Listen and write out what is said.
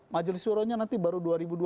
majelis shura nya nanti baru dua ribu dua puluh